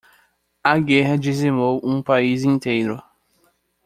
A guerra dizimou um país inteiro